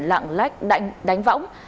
lạng lách đánh võng